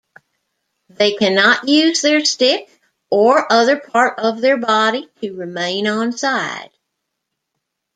They cannot use their stick or other part of their body to remain onside.